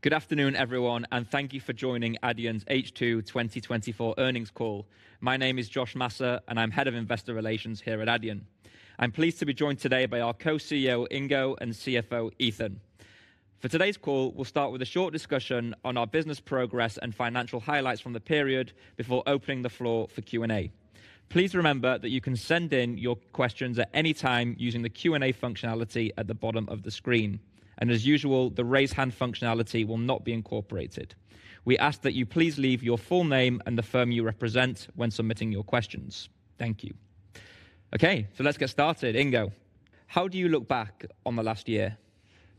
Good afternoon, everyone, and thank you for joining Adyen's H2 2024 earnings call. My name is Josh Masser, and I'm Head of Investor Relations here at Adyen. I'm pleased to be joined today by our Co-CEO, Ingo, and CFO, Ethan. For today's call, we'll start with a short discussion on our business progress and financial highlights from the period before opening the floor for Q&A. Please remember that you can send in your questions at any time using the Q&A functionality at the bottom of the screen. And as usual, the raise hand functionality will not be incorporated. We ask that you please leave your full name and the firm you represent when submitting your questions. Thank you. Okay, so let's get started. Ingo, how do you look back on the last year?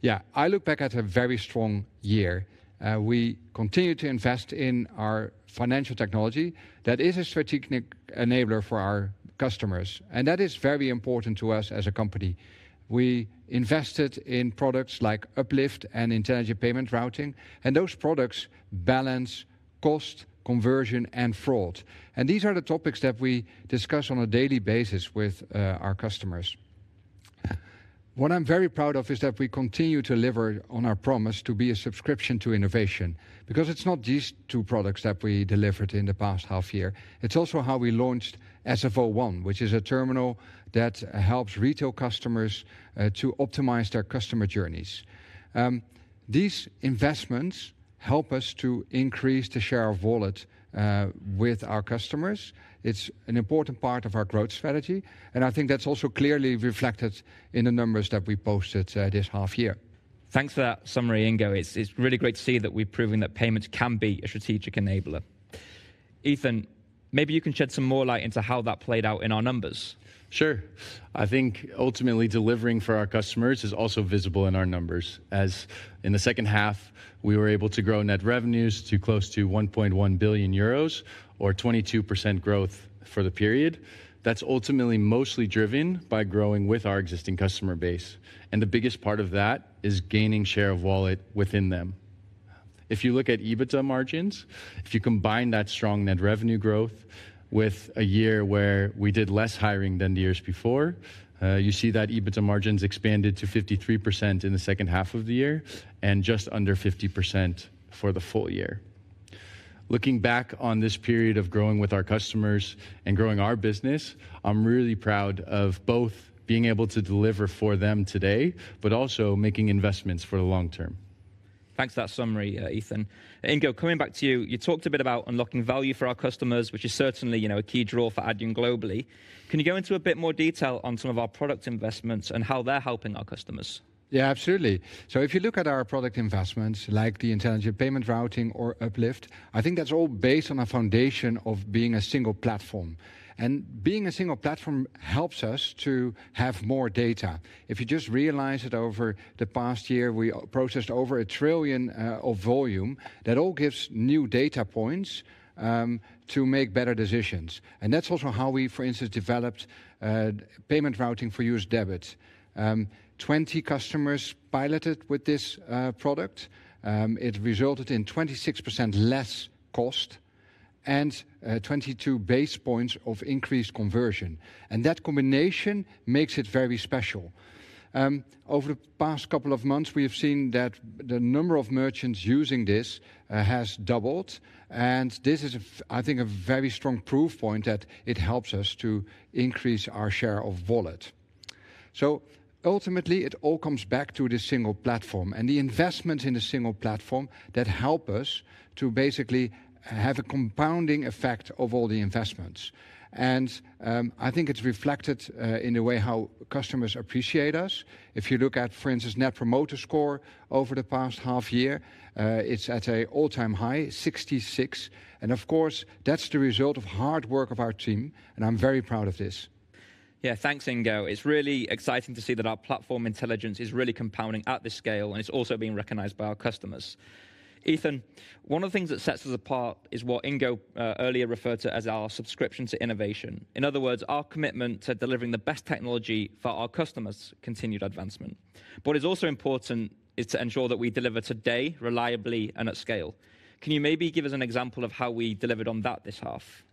Yeah, I look back at a very strong year. We continue to invest in our financial technology that is a strategic enabler for our customers, and that is very important to us as a company. We invested in products like Uplift and intelligent payment routing, and those products balance cost, conversion, and fraud. And these are the topics that we discuss on a daily basis with our customers. What I'm very proud of is that we continue to deliver on our promise to be a subscription to innovation, because it's not just two products that we delivered in the past half year. It's also how we launched SFO1, which is a terminal that helps retail customers to optimize their customer journeys. These investments help us to increase the share of wallet with our customers. It's an important part of our growth strategy, and I think that's also clearly reflected in the numbers that we posted this half year. Thanks for that summary, Ingo. It's really great to see that we've proven that payments can be a strategic enabler. Ethan, maybe you can shed some more light into how that played out in our numbers. Sure. I think ultimately delivering for our customers is also visible in our numbers. As in the second half, we were able to grow net revenues to close to 1.1 billion euros, or 22% growth for the period. That's ultimately mostly driven by growing with our existing customer base. And the biggest part of that is gaining share of wallet within them. If you look at EBITDA margins, if you combine that strong net revenue growth with a year where we did less hiring than the years before, you see that EBITDA margins expanded to 53% in the second half of the year and just under 50% for the full year. Looking back on this period of growing with our customers and growing our business, I'm really proud of both being able to deliver for them today, but also making investments for the long term. Thanks for that summary, Ethan. Ingo, coming back to you, you talked a bit about unlocking value for our customers, which is certainly a key draw for Adyen globally. Can you go into a bit more detail on some of our product investments and how they're helping our customers? Yeah, absolutely. So if you look at our product investments like the intelligent payment routing or Uplift, I think that's all based on a foundation of being a single platform. And being a single platform helps us to have more data. If you just realize that over the past year, we processed over a trillion of volume. That all gives new data points to make better decisions. And that's also how we, for instance, developed payment routing for U.S. debit. 20 customers piloted with this product. It resulted in 26% less cost and 22 basis points of increased conversion. And that combination makes it very special. Over the past couple of months, we have seen that the number of merchants using this has doubled. And this is, I think, a very strong proof point that it helps us to increase our share of wallet. So ultimately, it all comes back to this single platform and the investments in the single platform that help us to basically have a compounding effect of all the investments. And I think it's reflected in the way how customers appreciate us. If you look at, for instance, Net Promoter Score over the past half year, it's at an all-time high, 66. And of course, that's the result of hard work of our team. And I'm very proud of this. Yeah, thanks, Ingo. It's really exciting to see that our platform intelligence is really compounding at this scale, and it's also being recognized by our customers. Ethan, one of the things that sets us apart is what Ingo earlier referred to as our subscription to innovation. In other words, our commitment to delivering the best technology for our customers continued advancement. But what is also important is to ensure that we deliver today reliably and at scale. Can you maybe give us an example of how we delivered on that this half?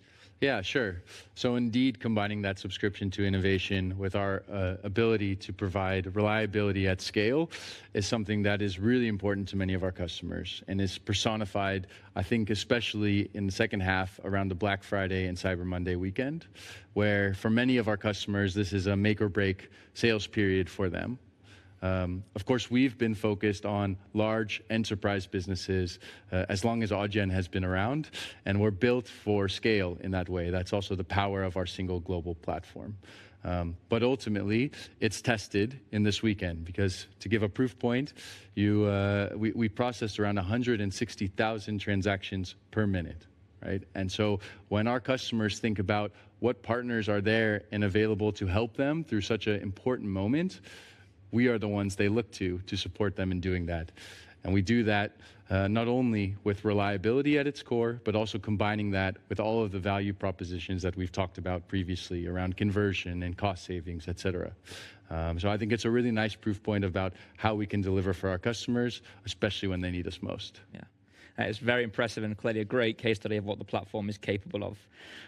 Yeah, sure. So indeed, combining that subscription to innovation with our ability to provide reliability at scale is something that is really important to many of our customers and is personified, I think, especially in the second half around the Black Friday and Cyber Monday weekend, where for many of our customers, this is a make or break sales period for them. Of course, we've been focused on large enterprise businesses as long as Adyen has been around, and we're built for scale in that way. That's also the power of our single global platform. But ultimately, it's tested in this weekend because to give a proof point, we processed around 160,000 transactions per minute. And so when our customers think about what partners are there and available to help them through such an important moment, we are the ones they look to to support them in doing that. And we do that not only with reliability at its core, but also combining that with all of the value propositions that we've talked about previously around conversion and cost savings, et cetera. So I think it's a really nice proof point about how we can deliver for our customers, especially when they need us most. Yeah, it's very impressive and clearly a great case study of what the platform is capable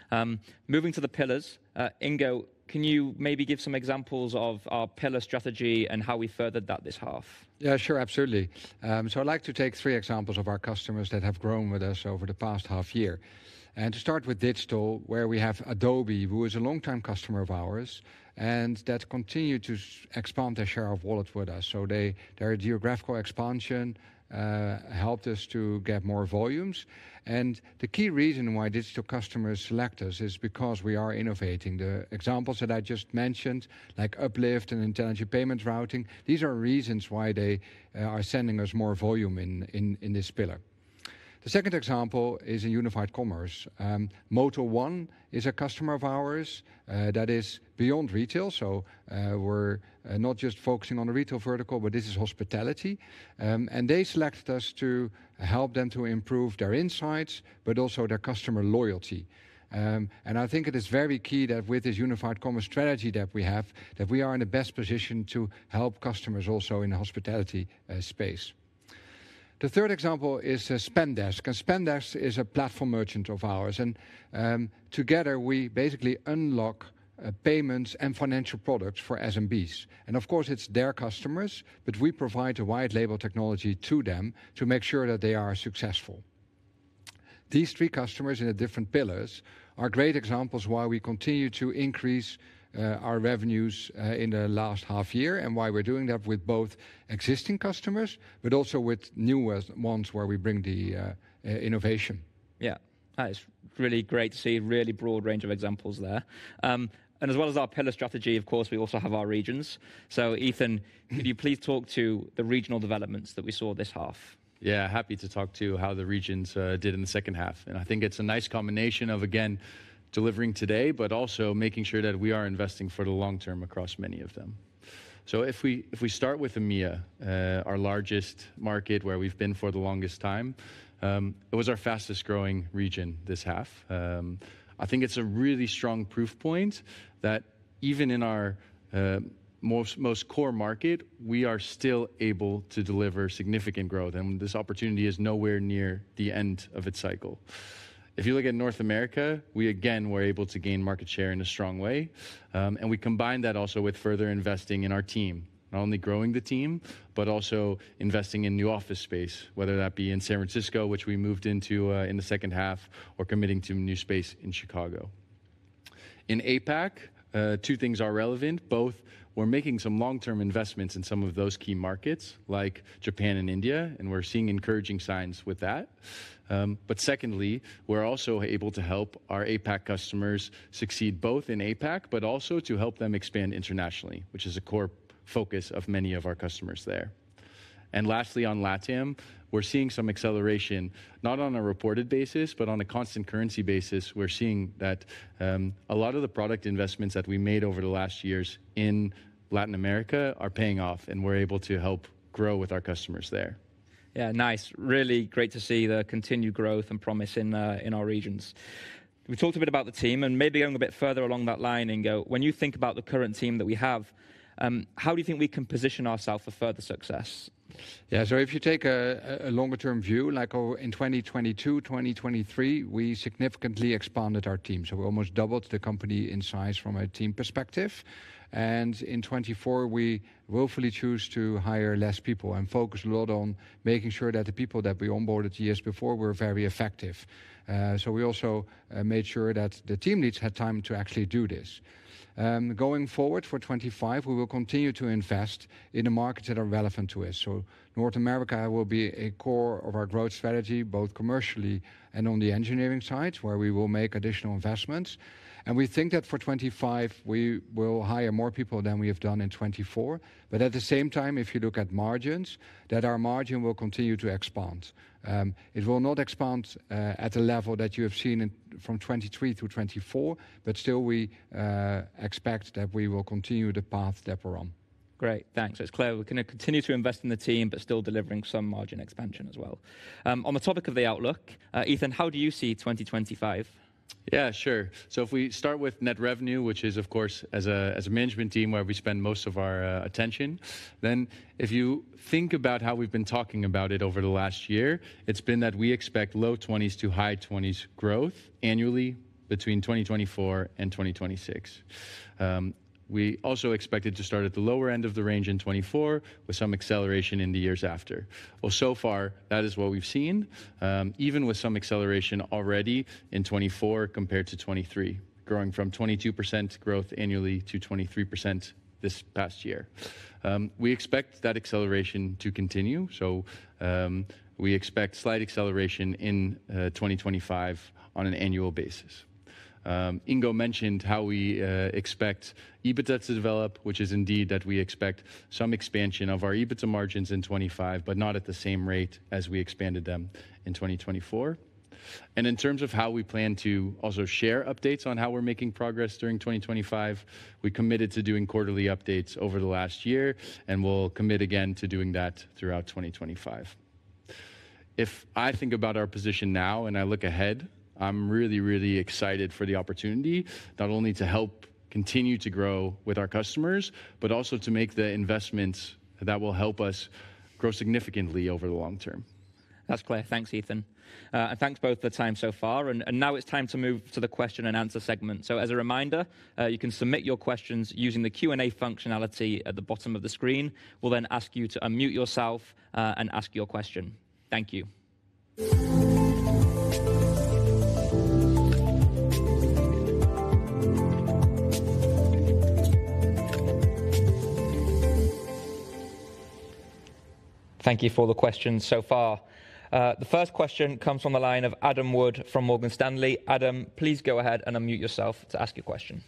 of. Moving to the pillars, Ingo, can you maybe give some examples of our pillar strategy and how we furthered that this half? Yeah, sure, absolutely. So I'd like to take three examples of our customers that have grown with us over the past half year. And to start with Digital, where we have Adobe, who is a longtime customer of ours, and that continued to expand their share of wallet with us. So their geographical expansion helped us to get more volumes. And the key reason why Digital customers select us is because we are innovating. The examples that I just mentioned, like Uplift and intelligent payment routing, these are reasons why they are sending us more volume in this pillar. The second example is in Unified Commerce. Motel One is a customer of ours that is beyond retail. So we're not just focusing on the retail vertical, but this is hospitality. And they selected us to help them to improve their insights, but also their customer loyalty. And I think it is very key that with this Unified Commerce strategy that we have, that we are in the best position to help customers also in the hospitality space. The third example is Spendesk. And Spendesk is a platform merchant of ours. And together, we basically unlock payments and financial products for SMBs. And of course, it's their customers, but we provide a white label technology to them to make sure that they are successful. These three customers in the different pillars are great examples of why we continue to increase our revenues in the last half year and why we're doing that with both existing customers, but also with new ones where we bring the innovation. Yeah, it's really great to see a really broad range of examples there. And as well as our pillar strategy, of course, we also have our regions. So Ethan, could you please talk to the regional developments that we saw this half? Yeah, happy to talk about how the regions did in the second half. I think it's a nice combination of, again, delivering today, but also making sure that we are investing for the long term across many of them. If we start with EMEA, our largest market where we've been for the longest time, it was our fastest growing region this half. I think it's a really strong proof point that even in our most core market, we are still able to deliver significant growth. This opportunity is nowhere near the end of its cycle. If you look at North America, we again were able to gain market share in a strong way. And we combined that also with further investing in our team, not only growing the team, but also investing in new office space, whether that be in San Francisco, which we moved into in the second half, or committing to new space in Chicago. In APAC, two things are relevant. Both, we're making some long-term investments in some of those key markets like Japan and India, and we're seeing encouraging signs with that. But secondly, we're also able to help our APAC customers succeed both in APAC, but also to help them expand internationally, which is a core focus of many of our customers there. And lastly, on LATAM, we're seeing some acceleration, not on a reported basis, but on a constant currency basis. We're seeing that a lot of the product investments that we made over the last years in Latin America are paying off, and we're able to help grow with our customers there. Yeah, nice. Really great to see the continued growth and promise in our regions. We talked a bit about the team, and maybe going a bit further along that line, Ingo, when you think about the current team that we have, how do you think we can position ourselves for further success? Yeah, so if you take a longer-term view, like in 2022, 2023, we significantly expanded our team. So we almost doubled the company in size from a team perspective. And in 2024, we willfully chose to hire less people and focus a lot on making sure that the people that we onboarded years before were very effective. So we also made sure that the team leads had time to actually do this. Going forward for 2025, we will continue to invest in the markets that are relevant to us. So North America will be a core of our growth strategy, both commercially and on the engineering side, where we will make additional investments. And we think that for 2025, we will hire more people than we have done in 2024. But at the same time, if you look at margins, that our margin will continue to expand. It will not expand at a level that you have seen from 2023 to 2024, but still we expect that we will continue the path that we're on. Great, thanks. It's clear we're going to continue to invest in the team, but still delivering some margin expansion as well. On the topic of the outlook, Ethan, how do you see 2025? Yeah, sure. So if we start with net revenue, which is, of course, as a management team where we spend most of our attention, then if you think about how we've been talking about it over the last year, it's been that we expect low-20s to high-20s growth annually between 2024 and 2026. We also expected to start at the lower end of the range in 2024 with some acceleration in the years after. Well, so far, that is what we've seen, even with some acceleration already in 2024 compared to 2023, growing from 22% growth annually to 23% this past year. We expect that acceleration to continue. So we expect slight acceleration in 2025 on an annual basis. Ingo mentioned how we expect EBITDA to develop, which is indeed that we expect some expansion of our EBITDA margins in 2025, but not at the same rate as we expanded them in 2024, and in terms of how we plan to also share updates on how we're making progress during 2025, we committed to doing quarterly updates over the last year and will commit again to doing that throughout 2025. If I think about our position now and I look ahead, I'm really, really excited for the opportunity not only to help continue to grow with our customers, but also to make the investments that will help us grow significantly over the long term. That's clear. Thanks, Ethan. And thanks both for the time so far. And now it's time to move to the question and answer segment. So as a reminder, you can submit your questions using the Q&A functionality at the bottom of the screen. We'll then ask you to unmute yourself and ask your question. Thank you. Thank you for the questions so far. The first question comes from the line of Adam Wood from Morgan Stanley. Adam, please go ahead and unmute yourself to ask your question.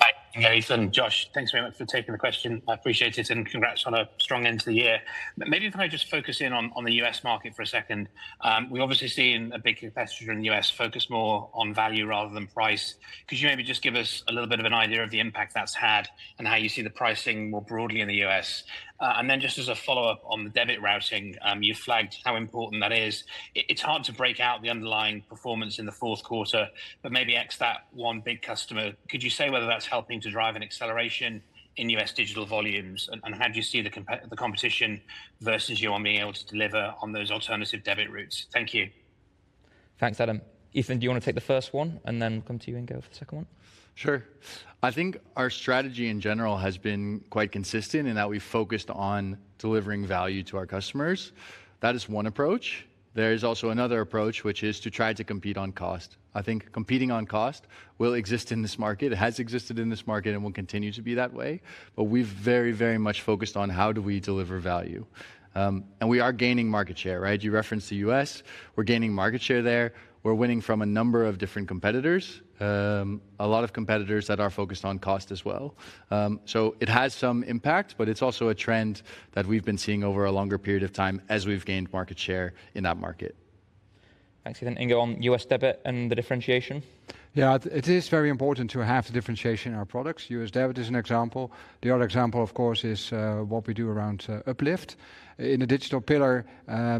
Hi, I'm Ethan. Josh, thanks very much for taking the question. I appreciate it and congrats on a strong end to the year. Maybe if I just focus in on the U.S. market for a second. We're obviously seeing a big competitor in the U.S. focus more on value rather than price. Could you maybe just give us a little bit of an idea of the impact that's had and how you see the pricing more broadly in the U.S.? And then just as a follow-up on the debit routing, you flagged how important that is. It's hard to break out the underlying performance in the fourth quarter, but maybe except that one big customer. Could you say whether that's helping to drive an acceleration in U.S. Digital volumes? And how do you see the competition versus you on being able to deliver on those alternative debit routes? Thank you. Thanks, Adam. Ethan, do you want to take the first one and then come to you and go for the second one? Sure. I think our strategy in general has been quite consistent in that we focused on delivering value to our customers. That is one approach. There is also another approach, which is to try to compete on cost. I think competing on cost will exist in this market. It has existed in this market and will continue to be that way. But we've very, very much focused on how do we deliver value. And we are gaining market share, right? You referenced the U.S. We're gaining market share there. We're winning from a number of different competitors, a lot of competitors that are focused on cost as well. So it has some impact, but it's also a trend that we've been seeing over a longer period of time as we've gained market share in that market. Thanks, Ethan. Ingo on U.S. debit and the differentiation? Yeah, it is very important to have the differentiation in our products. U.S. debit is an example. The other example, of course, is what we do around Uplift. In the Digital pillar,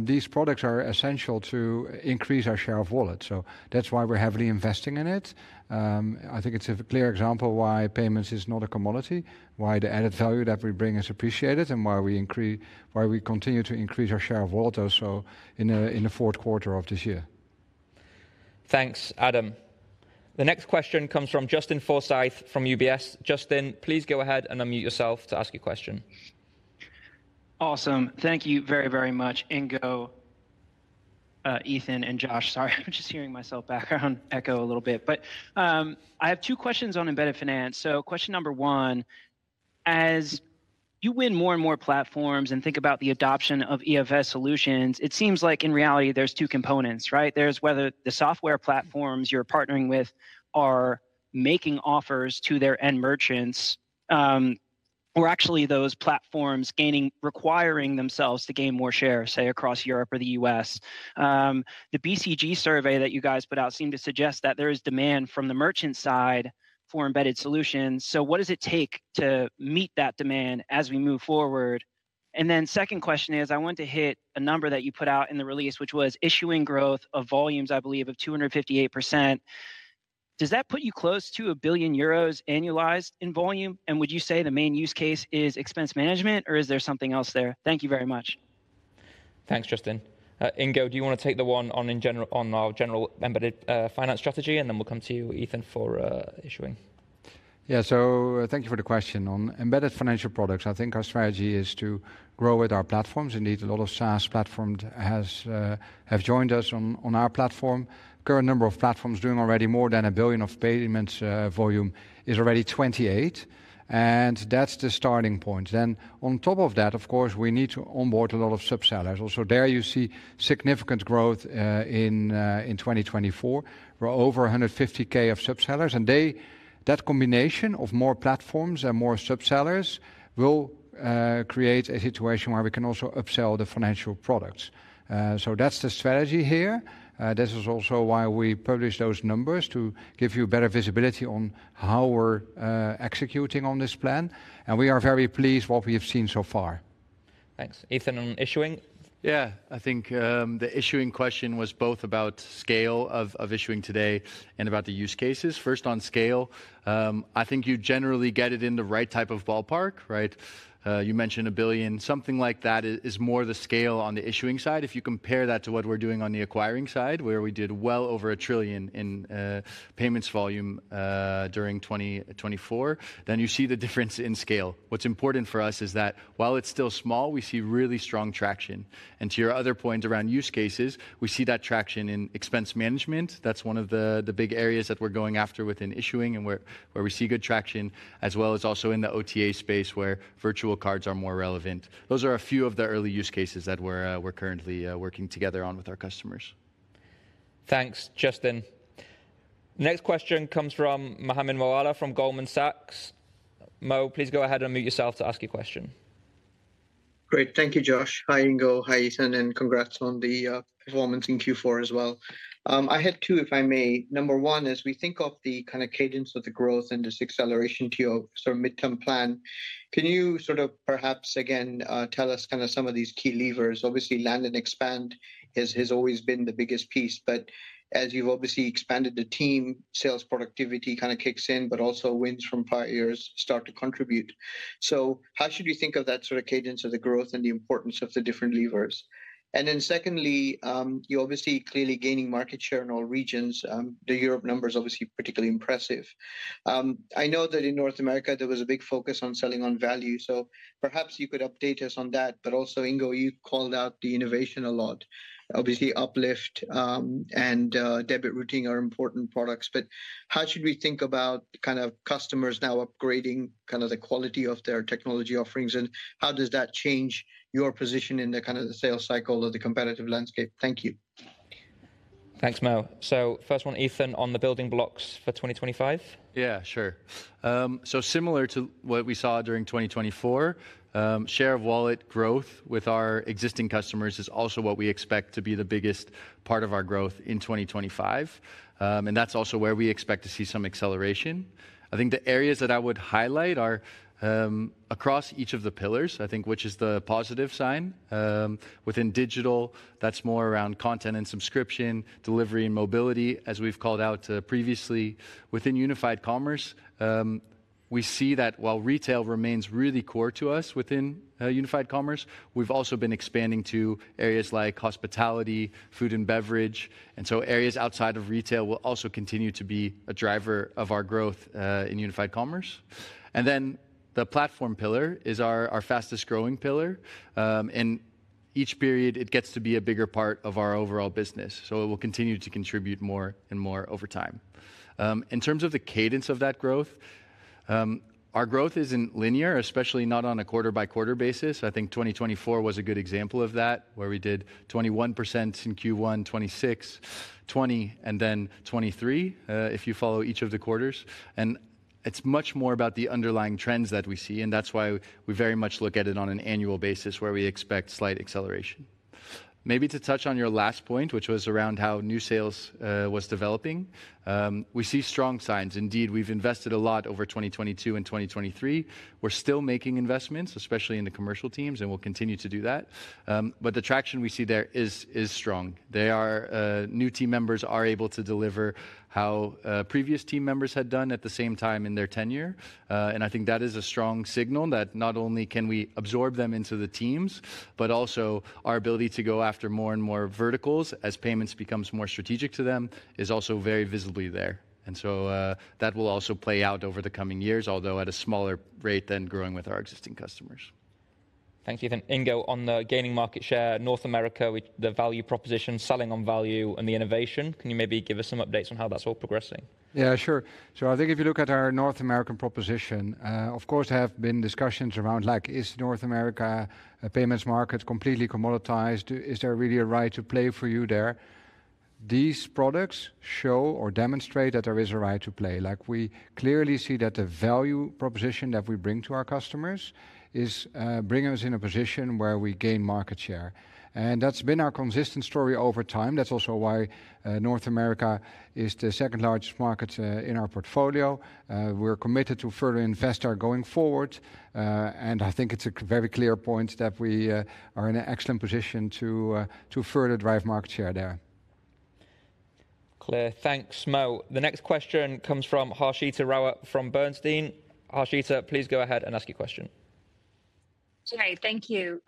these products are essential to increase our share of wallet. So that's why we're heavily investing in it. I think it's a clear example why payments is not a commodity, why the added value that we bring is appreciated, and why we continue to increase our share of wallet also in the fourth quarter of this year. Thanks, Adam. The next question comes from Justin Forsythe from UBS. Justin, please go ahead and unmute yourself to ask your question. Awesome. Thank you very, very much, Ingo, Ethan, and Josh. Sorry, I'm just hearing myself background echo a little bit. But I have two questions on embedded finance. So question number one, as you win more and more platforms and think about the adoption of EFS solutions, it seems like in reality, there's two components, right? There's whether the software platforms you're partnering with are making offers to their end merchants or actually those platforms requiring themselves to gain more share, say, across Europe or the U.S. The BCG survey that you guys put out seemed to suggest that there is demand from the merchant side for embedded solutions. So what does it take to meet that demand as we move forward? And then second question is, I want to hit a number that you put out in the release, which was Issuing growth of volumes, I believe, of 258%. Does that put you close to 1 billion euros annualized in volume? And would you say the main use case is expense management, or is there something else there? Thank you very much. Thanks, Justin. Ingo, do you want to take the one on our general embedded finance strategy? And then we'll come to you, Ethan, for Issuing. Yeah, so thank you for the question. On embedded financial products, I think our strategy is to grow with our platforms. Indeed, a lot of SaaS platforms have joined us on our platform. Current number of platforms doing already more than a billion of payments volume is already 28. And that's the starting point. Then on top of that, of course, we need to onboard a lot of subsellers. Also there, you see significant growth in 2024. We're over 150,000 subsellers. And that combination of more platforms and more subsellers will create a situation where we can also upsell the financial products. So that's the strategy here. This is also why we published those numbers to give you better visibility on how we're executing on this plan. And we are very pleased with what we have seen so far. Thanks. Ethan on Issuing? Yeah, I think the Issuing question was both about scale of Issuing today and about the use cases. First, on scale, I think you generally get it in the right type of ballpark, right? You mentioned a billion. Something like that is more the scale on the Issuing side. If you compare that to what we're doing on the acquiring side, where we did well over a trillion in payments volume during 2024, then you see the difference in scale. What's important for us is that while it's still small, we see really strong traction. And to your other point around use cases, we see that traction in expense management. That's one of the big areas that we're going after within Issuing and where we see good traction, as well as also in the OTA space where virtual cards are more relevant. Those are a few of the early use cases that we're currently working together on with our customers. Thanks, Justin. Next question comes from Mohammed Moawalla from Goldman Sachs. Mo, please go ahead and unmute yourself to ask your question. Great. Thank you, Josh. Hi, Ingo. Hi, Ethan. Congrats on the performance in Q4 as well. I had two, if I may. Number one is we think of the kind of cadence of the growth and this acceleration to your sort of midterm plan. Can you sort of perhaps again tell us kind of some of these key levers? Obviously, land and expand has always been the biggest piece. But as you've obviously expanded the team, sales productivity kind of kicks in, but also wins from prior years start to contribute. How should you think of that sort of cadence of the growth and the importance of the different levers? And then secondly, you're obviously clearly gaining market share in all regions. The Europe numbers are obviously particularly impressive. I know that in North America, there was a big focus on selling on value. So perhaps you could update us on that. But also, Ingo, you called out the innovation a lot. Obviously, Uplift and Debit Routing are important products. But how should we think about kind of customers now upgrading kind of the quality of their technology offerings? And how does that change your position in the kind of sales cycle or the competitive landscape? Thank you. Thanks, Mo. So first one, Ethan, on the building blocks for 2025? Yeah, sure. So similar to what we saw during 2024, share of wallet growth with our existing customers is also what we expect to be the biggest part of our growth in 2025. And that's also where we expect to see some acceleration. I think the areas that I would highlight are across each of the pillars, I think, which is the positive sign. Within Digital, that's more around content and subscription, delivery and mobility, as we've called out previously. Within Unified Commerce, we see that while retail remains really core to us within Unified Commerce, we've also been expanding to areas like hospitality, food and beverage. And so areas outside of retail will also continue to be a driver of our growth in Unified Commerce. And then the platform pillar is our fastest growing pillar. In each period, it gets to be a bigger part of our overall business. It will continue to contribute more and more over time. In terms of the cadence of that growth, our growth isn't linear, especially not on a quarter-by-quarter basis. I think 2024 was a good example of that, where we did 21% in Q1, 26%, 20%, and then 23% if you follow each of the quarters. It's much more about the underlying trends that we see. That's why we very much look at it on an annual basis, where we expect slight acceleration. Maybe to touch on your last point, which was around how new sales was developing, we see strong signs. Indeed, we've invested a lot over 2022 and 2023. We're still making investments, especially in the commercial teams, and we'll continue to do that. The traction we see there is strong. New team members are able to deliver how previous team members had done at the same time in their tenure. And I think that is a strong signal that not only can we absorb them into the teams, but also our ability to go after more and more verticals as payments becomes more strategic to them is also very visibly there. And so that will also play out over the coming years, although at a smaller rate than growing with our existing customers. Thanks, Ethan. Ingo, on the gaining market share, North America, the value proposition, selling on value and the innovation, can you maybe give us some updates on how that's all progressing? Yeah, sure. So I think if you look at our North American proposition, of course, there have been discussions around, like, is North America a payments market completely commoditized? Is there really a right to play for you there? These products show or demonstrate that there is a right to play. We clearly see that the value proposition that we bring to our customers is bringing us in a position where we gain market share. And that's been our consistent story over time. That's also why North America is the second largest market in our portfolio. We're committed to further invest there going forward. And I think it's a very clear point that we are in an excellent position to further drive market share there. Clear. Thanks, Mo. The next question comes from Harshita Rawat from Bernstein. Harshita, please go ahead and ask your question. Hi, thank you.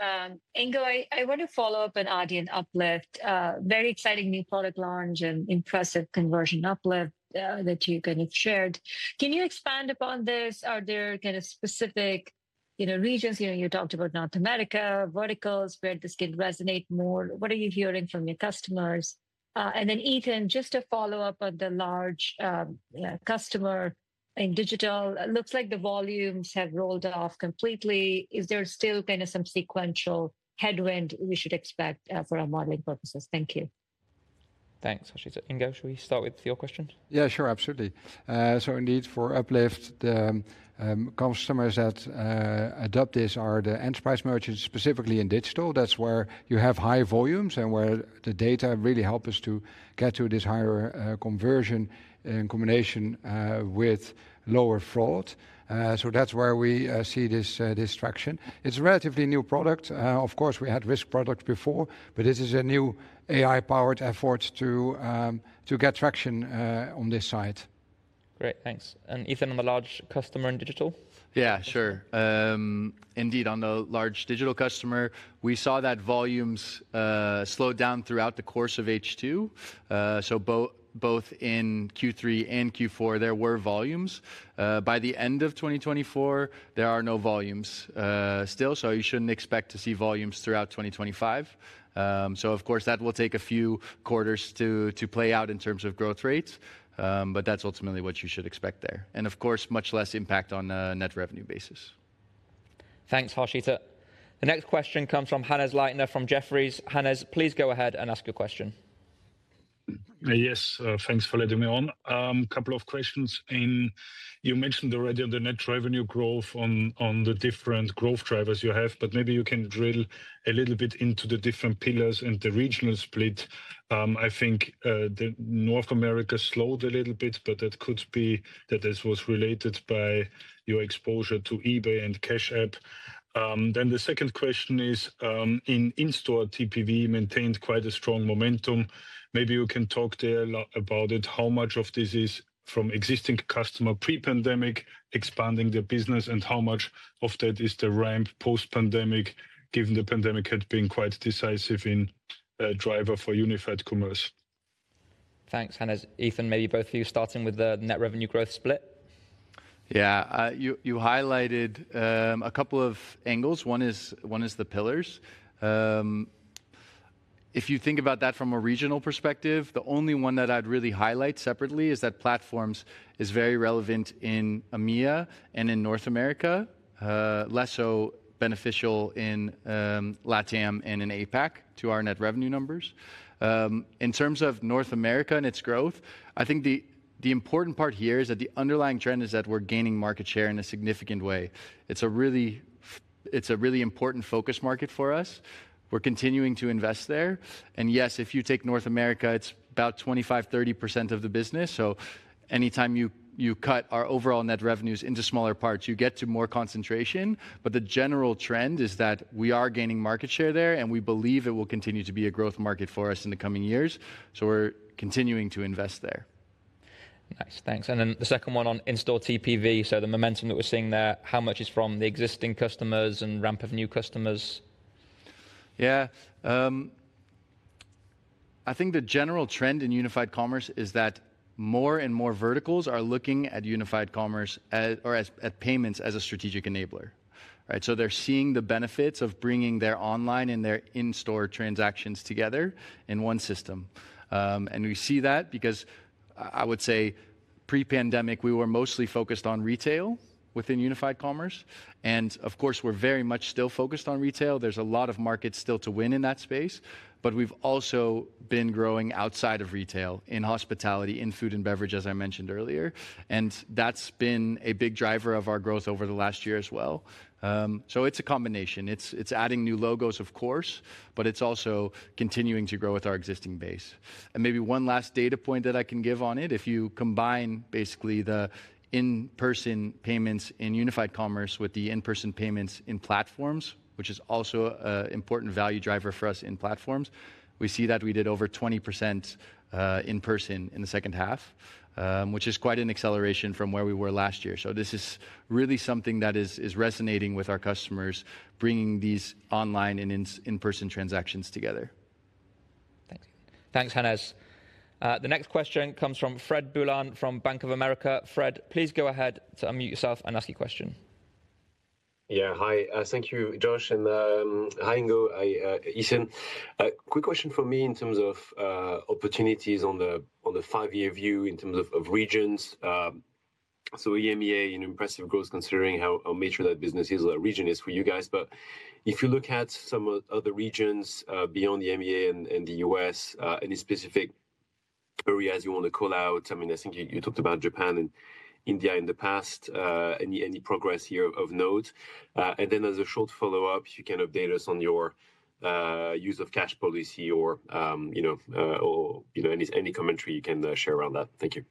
Ingo, I want to follow up on Adyen Uplift. Very exciting new product launch and impressive conversion Uplift that you kind of shared. Can you expand upon this? Are there kind of specific regions? You talked about North America, verticals, where this can resonate more. What are you hearing from your customers? And then, Ethan, just to follow up on the large customer in Digital, it looks like the volumes have rolled off completely. Is there still kind of some sequential headwind we should expect for our modeling purposes? Thank you. Thanks, Harshita. Ingo, should we start with your question? Yeah, sure, absolutely. So indeed, for Uplift, the customers that adopt this are the enterprise merchants specifically in Digital. That's where you have high volumes and where the data really help us to get to this higher conversion in combination with lower fraud. So that's where we see this traction. It's a relatively new product. Of course, we had risk products before, but this is a new AI-powered effort to get traction on this side. Great. Thanks. And Ethan, on the large customer in Digital? Yeah, sure. Indeed, on the large Digital customer, we saw that volumes slowed down throughout the course of H2. So both in Q3 and Q4, there were volumes. By the end of 2024, there are no volumes still. So you shouldn't expect to see volumes throughout 2025. So, of course, that will take a few quarters to play out in terms of growth rates. But that's ultimately what you should expect there. And, of course, much less impact on a net revenue basis. Thanks, Harshita. The next question comes from Hannes Leitner from Jefferies. Hannes, please go ahead and ask your question. Yes, thanks for letting me on. A couple of questions. You mentioned already the net revenue growth on the different growth drivers you have. But maybe you can drill a little bit into the different pillars and the regional split. I think North America slowed a little bit, but that could be that this was related by your exposure to eBay and Cash App. Then the second question is, in-store TPV maintained quite a strong momentum. Maybe you can talk there about it. How much of this is from existing customer pre-pandemic expanding their business, and how much of that is the ramp post-pandemic, given the pandemic had been quite decisive in driver for Unified Commerce? Thanks, Hannes. Ethan, maybe both of you starting with the net revenue growth split. Yeah, you highlighted a couple of angles. One is the pillars. If you think about that from a regional perspective, the only one that I'd really highlight separately is that platforms is very relevant in EMEA and in North America, less so beneficial in LATAM and in APAC to our net revenue numbers. In terms of North America and its growth, I think the important part here is that the underlying trend is that we're gaining market share in a significant way. It's a really important focus market for us. We're continuing to invest there, and yes, if you take North America, it's about 25%-30% of the business. So anytime you cut our overall net revenues into smaller parts, you get to more concentration. But the general trend is that we are gaining market share there, and we believe it will continue to be a growth market for us in the coming years. So we're continuing to invest there. Nice. Thanks. And then the second one on in-store TPV. So the momentum that we're seeing there, how much is from the existing customers and ramp of new customers? Yeah. I think the general trend in Unified Commerce is that more and more verticals are looking at Unified Commerce or at payments as a strategic enabler. So they're seeing the benefits of bringing their online and their in-store transactions together in one system. And we see that because I would say pre-pandemic, we were mostly focused on retail within Unified Commerce. And of course, we're very much still focused on retail. There's a lot of markets still to win in that space. But we've also been growing outside of retail in hospitality, in food and beverage, as I mentioned earlier. And that's been a big driver of our growth over the last year as well. So it's a combination. It's adding new logos, of course, but it's also continuing to grow with our existing base. And maybe one last data point that I can give on it. If you combine basically the in-person payments in Unified Commerce with the in-person payments in platforms, which is also an important value driver for us in platforms, we see that we did over 20% in-person in the second half, which is quite an acceleration from where we were last year. So this is really something that is resonating with our customers, bringing these online and in-person transactions together. Thanks, Hannes. The next question comes from Fred Boulan from Bank of America. Fred, please go ahead to unmute yourself and ask your question. Yeah, hi. Thank you, Josh. And hi, Ingo, Ethan. Quick question for me in terms of opportunities on the five-year view in terms of regions. So EMEA, an impressive growth considering how major that business is or that region is for you guys. But if you look at some of the regions beyond the EMEA and the U.S., any specific areas you want to call out? I mean, I think you talked about Japan and India in the past. Any progress here of note? And then as a short follow-up, if you can update us on your use of cash policy or any commentary you can share around that. Thank you.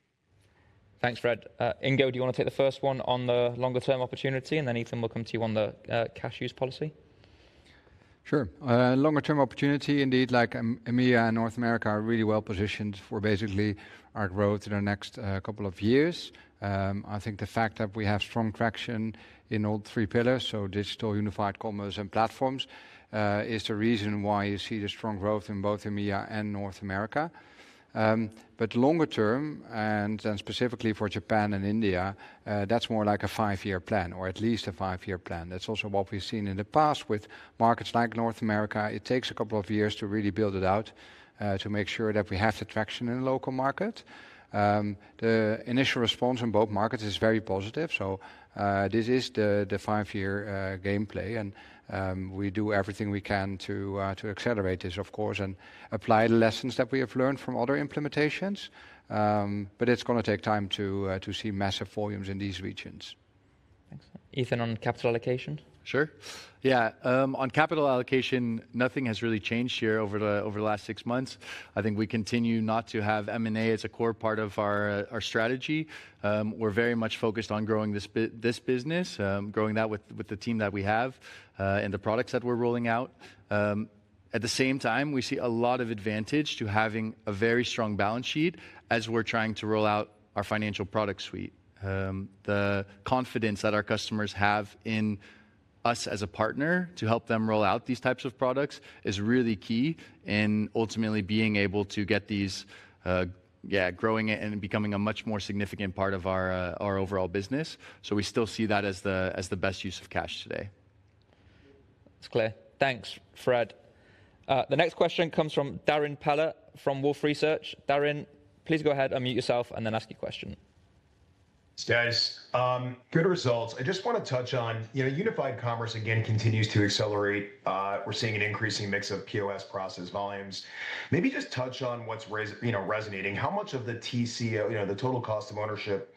Thanks, Fred. Ingo, do you want to take the first one on the longer-term opportunity? And then Ethan will come to you on the cash use policy. Sure. Longer-term opportunity. Indeed, like EMEA and North America are really well positioned for basically our growth in the next couple of years. I think the fact that we have strong traction in all three pillars, so Digital, Unified Commerce, and Platforms, is the reason why you see the strong growth in both EMEA and North America. But longer-term, and specifically for Japan and India, that's more like a five-year plan or at least a five-year plan. That's also what we've seen in the past with markets like North America. It takes a couple of years to really build it out to make sure that we have the traction in the local market. The initial response in both markets is very positive. So this is the five-year gameplay. And we do everything we can to accelerate this, of course, and apply the lessons that we have learned from other implementations. But it's going to take time to see massive volumes in these regions. Thanks. Ethan, on Capital allocation? Sure. Yeah. On Capital allocation, nothing has really changed here over the last six months. I think we continue not to have M&A as a core part of our strategy. We're very much focused on growing this business, growing that with the team that we have and the products that we're rolling out. At the same time, we see a lot of advantage to having a very strong balance sheet as we're trying to roll out our financial product suite. The confidence that our customers have in us as a partner to help them roll out these types of products is really key in ultimately being able to get these growing and becoming a much more significant part of our overall business. So we still see that as the best use of cash today. That's clear. Thanks, Fred. The next question comes from Darrin Peller from Wolfe Research. Darren, please go ahead, unmute yourself, and then ask your question. Thanks, good results. I just want to touch on Unified Commerce again. It continues to accelerate. We're seeing an increasing mix of POS processing volumes. Maybe just touch on what's resonating. How much of the TCO, the total cost of ownership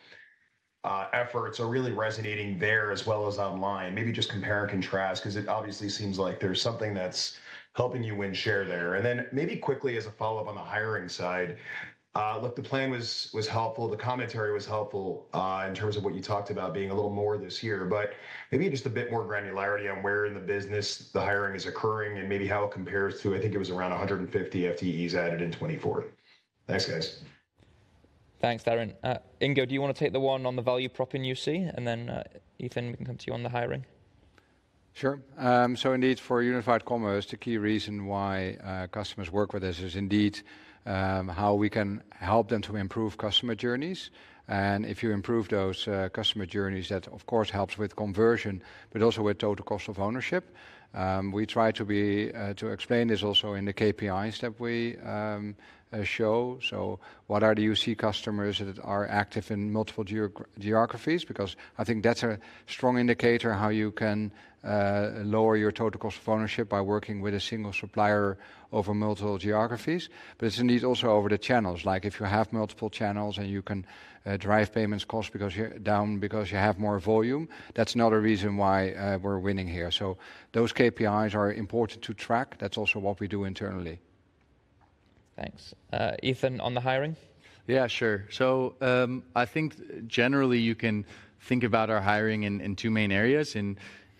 efforts, are really resonating there as well as online? Maybe just compare and contrast because it obviously seems like there's something that's helping you win share there. Then maybe quickly as a follow-up on the hiring side, look, the plan was helpful. The commentary was helpful in terms of what you talked about being a little more this year. But maybe just a bit more granularity on where in the business the hiring is occurring and maybe how it compares to, I think it was around 150 FTEs added in 2024. Thanks, guys. Thanks, Darren. Ingo, do you want to take the one on the value proposition you see? And then Ethan, we can come to you on the hiring. Sure. So indeed, for Unified Commerce, the key reason why customers work with us is indeed how we can help them to improve customer journeys. And if you improve those customer journeys, that, of course, helps with conversion, but also with total cost of ownership. We try to explain this also in the KPIs that we show. So what are the UC customers that are active in multiple geographies? Because I think that's a strong indicator of how you can lower your total cost of ownership by working with a single supplier over multiple geographies. But it's indeed also over the channels. Like if you have multiple channels and you can drive payments cost down because you have more volume, that's another reason why we're winning here. So those KPIs are important to track. That's also what we do internally. Thanks. Ethan, on the hiring? Yeah, sure. So I think generally you can think about our hiring in two main areas. In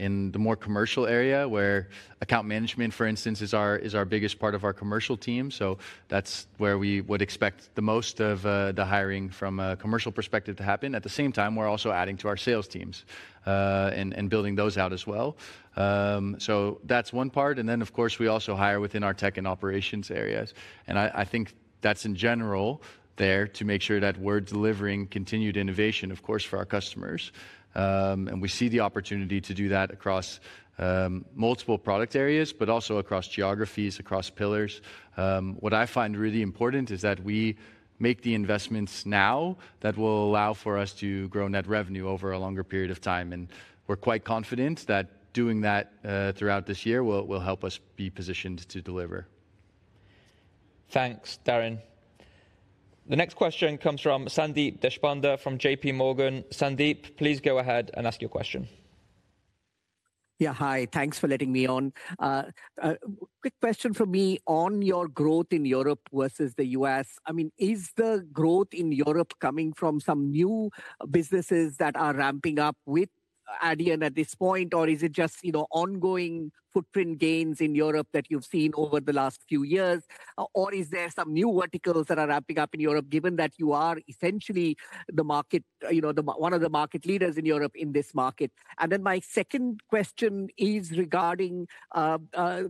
the more commercial area, where account management, for instance, is our biggest part of our commercial team. So that's where we would expect the most of the hiring from a commercial perspective to happen. At the same time, we're also adding to our sales teams and building those out as well. So that's one part. And then, of course, we also hire within our tech and operations areas. And I think that's in general there to make sure that we're delivering continued innovation, of course, for our customers. And we see the opportunity to do that across multiple product areas, but also across geographies, across pillars. What I find really important is that we make the investments now that will allow for us to grow net revenue over a longer period of time. We're quite confident that doing that throughout this year will help us be positioned to deliver. Thanks, Darren. The next question comes from Sandeep Deshpande from JPMorgan. Sandeep, please go ahead and ask your question. Yeah, hi. Thanks for letting me on. Quick question for me on your growth in Europe versus the U.S. I mean, is the growth in Europe coming from some new businesses that are ramping up with Adyen at this point? Or is it just ongoing footprint gains in Europe that you've seen over the last few years? Or is there some new verticals that are ramping up in Europe, given that you are essentially one of the market leaders in Europe in this market? And then my second question is regarding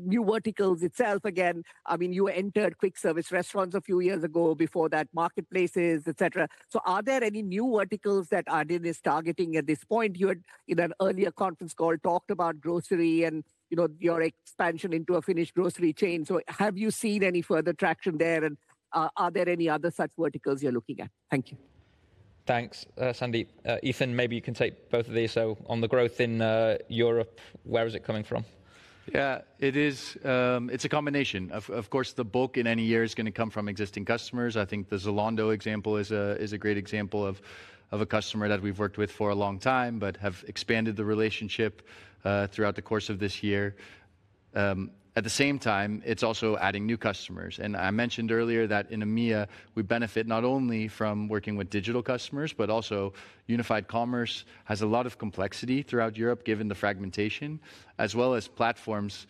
new verticals itself. Again, I mean, you entered quick service restaurants a few years ago, before that marketplaces, et cetera. So are there any new verticals that Adyen is targeting at this point? You had, in an earlier conference call, talked about grocery and your expansion into a Finnish grocery chain. So have you seen any further traction there? Are there any other such verticals you're looking at? Thank you. Thanks, Sandeep. Ethan, maybe you can take both of these. So on the growth in Europe, where is it coming from? Yeah, it's a combination. Of course, the bulk in any year is going to come from existing customers. I think the Zalando example is a great example of a customer that we've worked with for a long time, but have expanded the relationship throughout the course of this year. At the same time, it's also adding new customers. And I mentioned earlier that in EMEA, we benefit not only from working with Digital customers, but also Unified Commerce has a lot of complexity throughout Europe, given the fragmentation, as well as platforms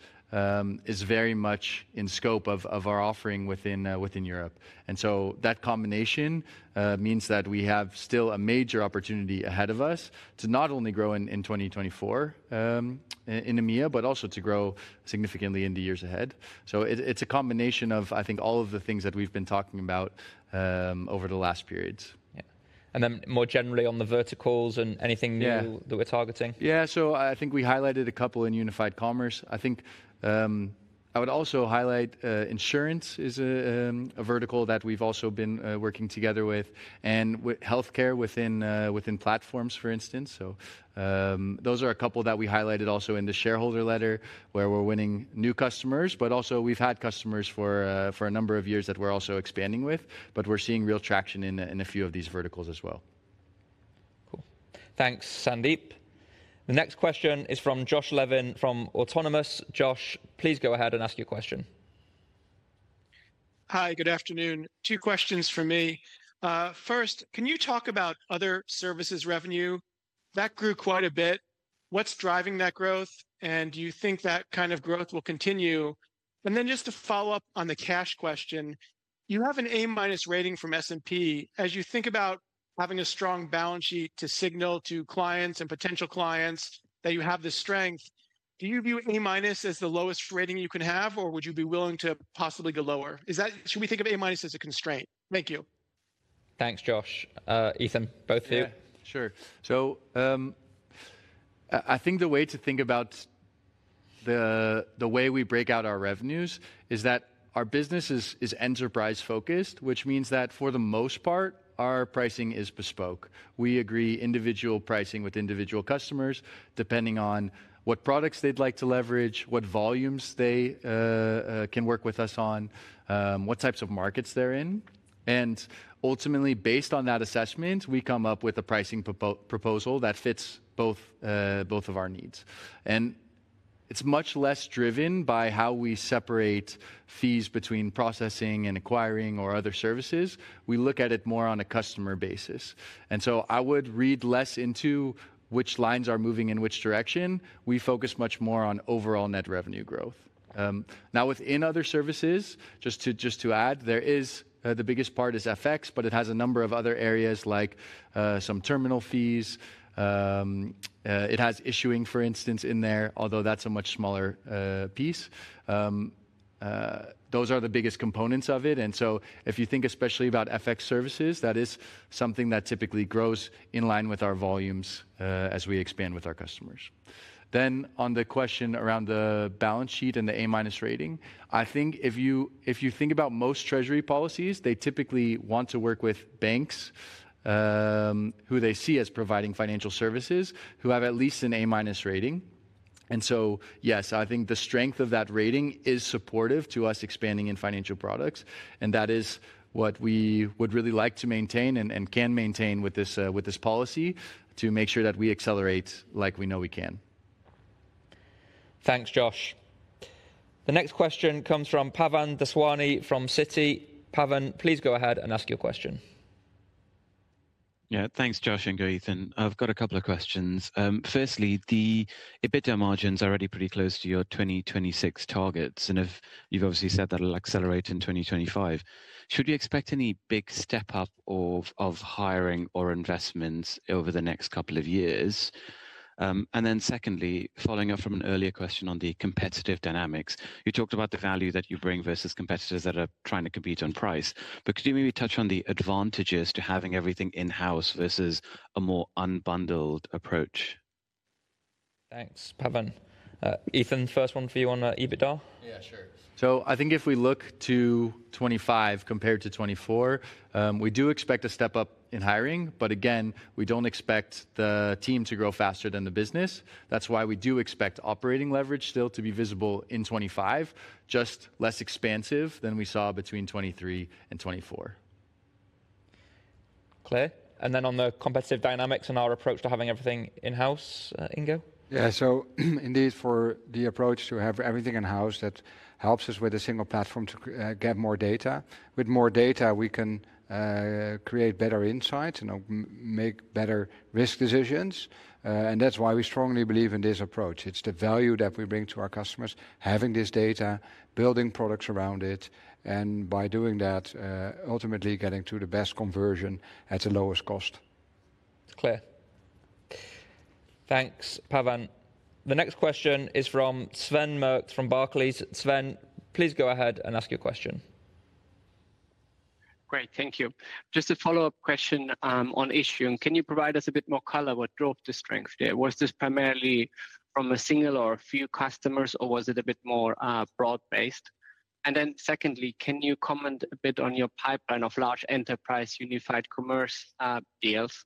is very much in scope of our offering within Europe. And so that combination means that we have still a major opportunity ahead of us to not only grow in 2024 in EMEA, but also to grow significantly in the years ahead. So it's a combination of, I think, all of the things that we've been talking about over the last periods. Yeah. And then more generally on the verticals and anything new that we're targeting. Yeah, so I think we highlighted a couple in Unified Commerce. I think I would also highlight insurance is a vertical that we've also been working together with, and healthcare within platforms, for instance, so those are a couple that we highlighted also in the shareholder letter, where we're winning new customers, but also, we've had customers for a number of years that we're also expanding with, but we're seeing real traction in a few of these verticals as well. Cool. Thanks, Sandeep. The next question is from Josh Levin from Autonomous. Josh, please go ahead and ask your question. Hi, good afternoon. Two questions for me. First, can you talk about other services revenue? That grew quite a bit. What's driving that growth? And do you think that kind of growth will continue? And then just to follow up on the cash question, you have an A- rating from S&P. As you think about having a strong balance sheet to signal to clients and potential clients that you have this strength, do you view A- as the lowest rating you can have, or would you be willing to possibly go lower? Should we think of A- as a constraint? Thank you. Thanks, Josh. Ethan, both of you. Yeah, sure. So I think the way to think about the way we break out our revenues is that our business is enterprise-focused, which means that for the most part, our pricing is bespoke. We agree individual pricing with individual customers, depending on what products they'd like to leverage, what volumes they can work with us on, what types of markets they're in. And ultimately, based on that assessment, we come up with a pricing proposal that fits both of our needs. And it's much less driven by how we separate fees between processing and acquiring or other services. We look at it more on a customer basis. And so I would read less into which lines are moving in which direction. We focus much more on overall net revenue growth. Now, within other services, just to add, the biggest part is FX, but it has a number of other areas like some terminal fees. It has Issuing, for instance, in there, although that's a much smaller piece. Those are the biggest components of it. And so if you think especially about FX services, that is something that typically grows in line with our volumes as we expand with our customers. Then on the question around the balance sheet and the A- rating, I think if you think about most treasury policies, they typically want to work with banks who they see as providing financial services who have at least an A- rating. And so, yes, I think the strength of that rating is supportive to us expanding in financial products. That is what we would really like to maintain and can maintain with this policy to make sure that we accelerate like we know we can. Thanks, Josh. The next question comes from Pavan Daswani from Citi. Pavan, please go ahead and ask your question. Yeah, thanks, Josh and Ingo, Ethan. I've got a couple of questions. Firstly, the EBITDA margins are already pretty close to your 2026 targets. And you've obviously said that it'll accelerate in 2025. Should you expect any big step up of hiring or investments over the next couple of years? And then secondly, following up from an earlier question on the competitive dynamics, you talked about the value that you bring versus competitors that are trying to compete on price. But could you maybe touch on the advantages to having everything in-house versus a more unbundled approach? Thanks, Pavan. Ethan, first one for you on EBITDA. Yeah, sure. So I think if we look to 2025 compared to 2024, we do expect a step up in hiring. But again, we don't expect the team to grow faster than the business. That's why we do expect operating leverage still to be visible in 2025, just less expansive than we saw between 2023 and 2024. Clear. And then on the competitive dynamics and our approach to having everything in-house, Ingo? Yeah. So indeed, for the approach to have everything in-house, that helps us with a single platform to get more data. With more data, we can create better insights and make better risk decisions. And that's why we strongly believe in this approach. It's the value that we bring to our customers, having this data, building products around it, and by doing that, ultimately getting to the best conversion at the lowest cost. Clear. Thanks, Pavan. The next question is from Sven Merkt from Barclays. Sven, please go ahead and ask your question. Great. Thank you. Just a follow-up question on Issuing. Can you provide us a bit more color? What drove the strength there? Was this primarily from a single or a few customers, or was it a bit more broad-based? And then secondly, can you comment a bit on your pipeline of large enterprise Unified Commerce deals?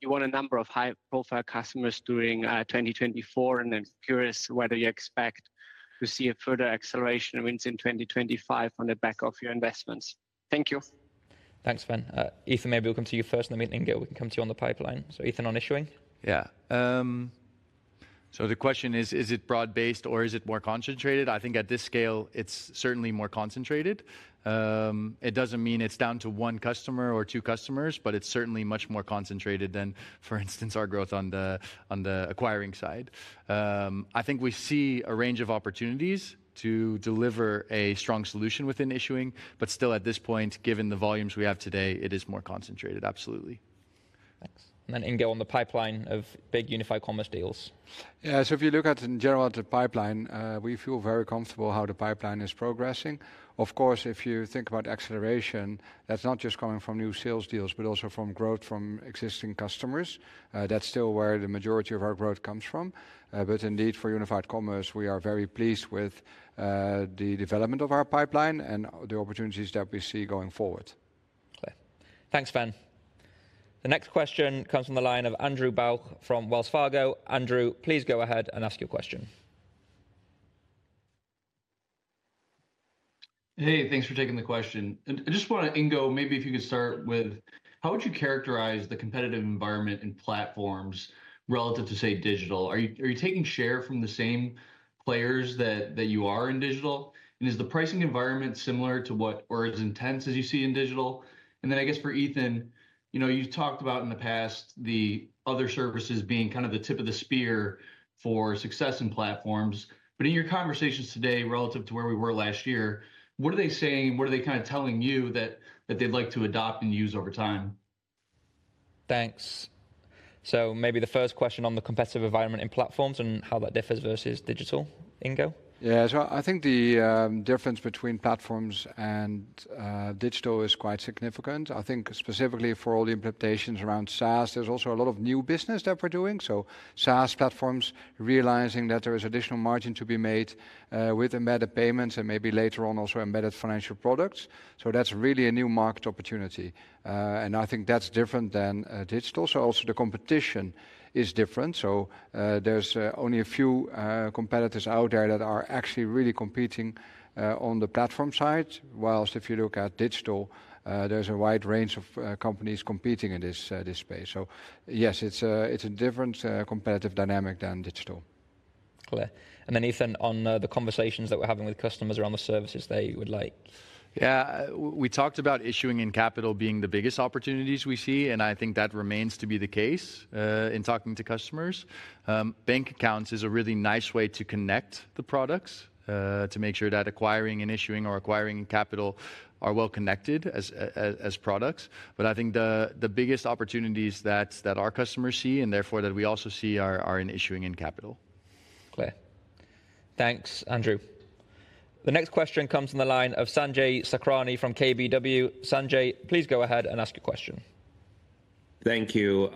You won a number of high-profile customers during 2024, and I'm curious whether you expect to see a further acceleration of wins in 2025 on the back of your investments. Thank you. Thanks, Sven. Ethan, maybe we'll come to you first, and then we can come to you on the pipeline. So Ethan on Issuing. Yeah, so the question is, is it broad-based, or is it more concentrated? I think at this scale, it's certainly more concentrated. It doesn't mean it's down to one customer or two customers, but it's certainly much more concentrated than, for instance, our growth on the acquiring side. I think we see a range of opportunities to deliver a strong solution within Issuing. But still, at this point, given the volumes we have today, it is more concentrated. Absolutely. Thanks. Then Ingo on the pipeline of big Unified Commerce deals. Yeah. So if you look at, in general, at the pipeline, we feel very comfortable how the pipeline is progressing. Of course, if you think about acceleration, that's not just coming from new sales deals, but also from growth from existing customers. That's still where the majority of our growth comes from. But indeed, for Unified Commerce, we are very pleased with the development of our pipeline and the opportunities that we see going forward. Clear. Thanks, Sven. The next question comes from the line of Andrew Bauch from Wells Fargo. Andrew, please go ahead and ask your question. Hey, thanks for taking the question. I just want to, Ingo, maybe if you could start with how would you characterize the competitive environment and platforms relative to, say, Digital? Are you taking share from the same players that you are in Digital? And is the pricing environment similar to what or as intense as you see in Digital? And then I guess for Ethan, you've talked about in the past the other services being kind of the tip of the spear for success in platforms. But in your conversations today relative to where we were last year, what are they saying? What are they kind of telling you that they'd like to adopt and use over time? Thanks. So maybe the first question on the competitive environment and platforms and how that differs versus Digital. Ingo? Yeah. So I think the difference between Platforms and Digital is quite significant. I think specifically for all the implementations around SaaS, there's also a lot of new business that we're doing. So SaaS platforms realizing that there is additional margin to be made with embedded payments and maybe later on also embedded financial products. So that's really a new market opportunity. And I think that's different than Digital. So also the competition is different. So there's only a few competitors out there that are actually really competing on the platform side. Whilst if you look at Digital, there's a wide range of companies competing in this space. So yes, it's a different competitive dynamic than Digital. Clear. And then, Ethan, on the conversations that we're having with customers around the services they would like. Yeah. We talked about Issuing and Capital being the biggest opportunities we see. And I think that remains to be the case in talking to customers. Bank accounts is a really nice way to connect the products to make sure that acquiring and Issuing or acquiring Capital are well connected as products. But I think the biggest opportunities that our customers see and therefore that we also see are in Issuing and Capital. Clear. Thanks, Andrew. The next question comes from the line of Sanjay Sakhrani from KBW. Sanjay, please go ahead and ask your question. Thank you.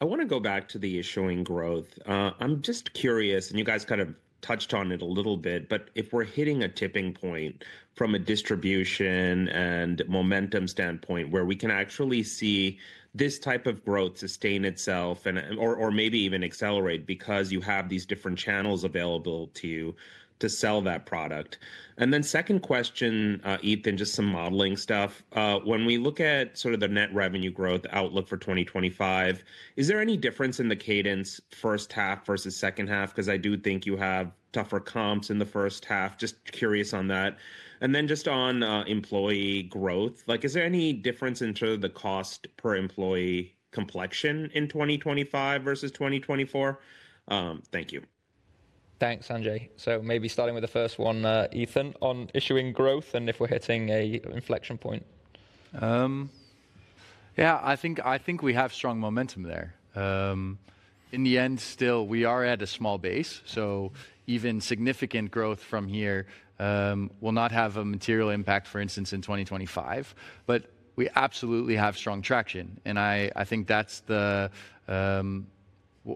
I want to go back to the Issuing growth. I'm just curious, and you guys kind of touched on it a little bit, but if we're hitting a tipping point from a distribution and momentum standpoint where we can actually see this type of growth sustain itself or maybe even accelerate because you have these different channels available to you to sell that product. And then second question, Ethan, just some modeling stuff. When we look at sort of the net revenue growth outlook for 2025, is there any difference in the cadence first half versus second half? Because I do think you have tougher comps in the first half. Just curious on that. And then just on employee growth, is there any difference in sort of the cost per employee complexion in 2025 versus 2024? Thank you. Thanks, Sanjay. So maybe starting with the first one, Ethan, on Issuing growth and if we're hitting an inflection point. Yeah, I think we have strong momentum there. In the end, still, we are at a small base. So even significant growth from here will not have a material impact, for instance, in 2025. But we absolutely have strong traction. And I think that's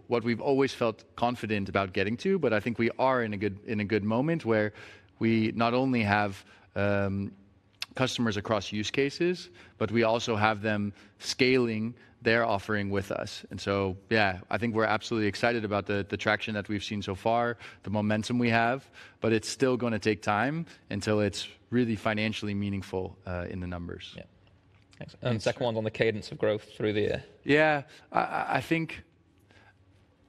what we've always felt confident about getting to. But I think we are in a good moment where we not only have customers across use cases, but we also have them scaling their offering with us. And so, yeah, I think we're absolutely excited about the traction that we've seen so far, the momentum we have. But it's still going to take time until it's really financially meaningful in the numbers. Yeah, and second one's on the cadence of growth through the year. Yeah. I think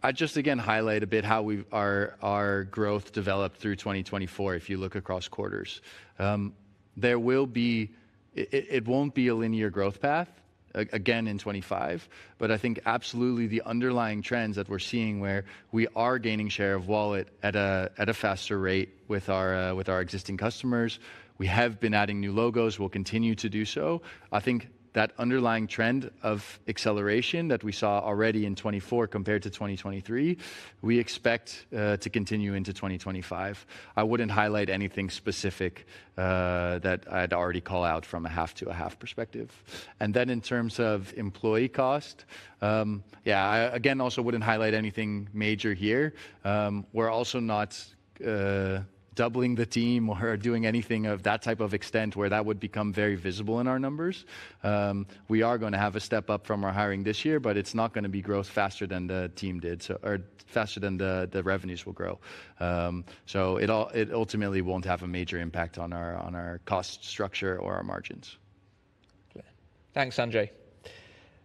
I just again highlight a bit how our growth developed through 2024 if you look across quarters. It won't be a linear growth path again in 2025. But I think absolutely the underlying trends that we're seeing where we are gaining share of wallet at a faster rate with our existing customers. We have been adding new logos. We'll continue to do so. I think that underlying trend of acceleration that we saw already in 2024 compared to 2023, we expect to continue into 2025. I wouldn't highlight anything specific that I'd already call out from a half-to-a-half perspective. And then in terms of employee cost, yeah, I again also wouldn't highlight anything major here. We're also not doubling the team or doing anything of that type of extent where that would become very visible in our numbers. We are going to have a step up from our hiring this year, but it's not going to be growth faster than the team did or faster than the revenues will grow, so it ultimately won't have a major impact on our cost structure or our margins. Clear. Thanks, Sanjay.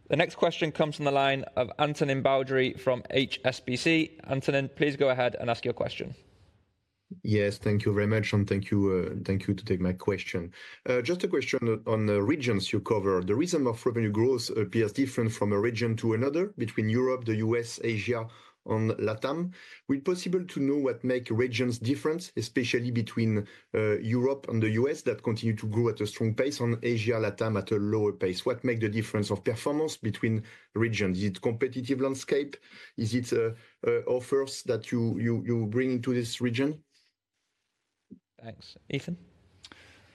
The next question comes from the line of Antonin Baudry from HSBC. Antonin, please go ahead and ask your question. Yes, thank you very much. And thank you to take my question. Just a question on regions you cover. The reason of revenue growth appears different from a region to another between Europe, the U.S., Asia, and LATAM. Will it be possible to know what makes regions different, especially between Europe and the U.S. that continue to grow at a strong pace and Asia, LATAM at a lower pace? What makes the difference of performance between regions? Is it competitive landscape? Is it offers that you bring into this region? Thanks. Ethan?